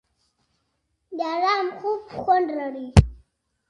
د ارام خوب خوند لري.